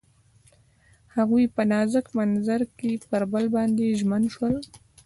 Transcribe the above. هغوی په نازک منظر کې پر بل باندې ژمن شول.